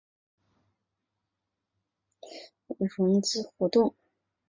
其他影响企业长期负债及股本的活动亦列为融资活动。